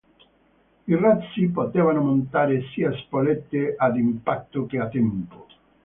I razzi potevano montare sia spolette ad impatto che a tempo.